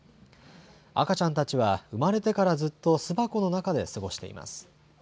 赤ちゃんたちは産まれてからずっと巣箱の中で過ごしています。